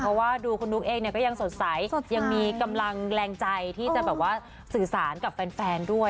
เพราะว่าดูคุณนุ๊กเองเนี่ยก็ยังสดใสยังมีกำลังแรงใจที่จะแบบว่าสื่อสารกับแฟนด้วย